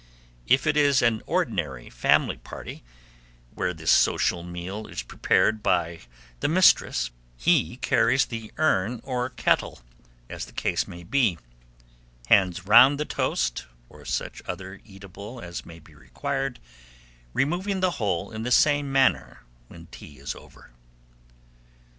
If it is an ordinary family party, where this social meal is prepared by the mistress, he carries the urn or kettle, as the case may be; hands round the toast, or such other eatable as may be required, removing the whole in the same manner when tea is over.